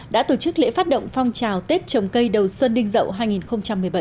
đã tổ chức lễ phát động phong trào tết trồng cây đầu xuân đinh rậu hai nghìn một mươi bảy